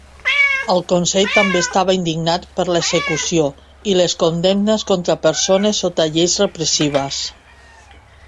El Consell també estava indignat per l'execució i les condemnes contra persones sota lleis repressives.